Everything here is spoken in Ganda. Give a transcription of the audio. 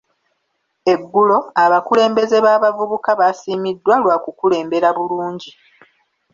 Eggulo, abakulembeze b'abavubuka baasiimiddwa lwa kukulembera bulungi.